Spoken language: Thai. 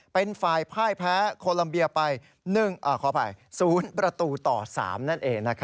เป็นฝ่ายพ่ายแพ้โคลัมเบียไปขออภัย๐ประตูต่อ๓นั่นเอง